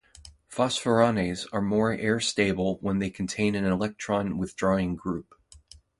Phosphoranes are more air-stable when they contain an electron withdrawing group.